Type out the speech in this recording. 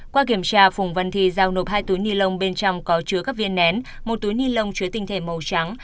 qua kiểm tra phùng văn thi giao nộp hai túi ni lông bên trong có chứa các viên nén một túi ni lông chứa tinh thể màu trắng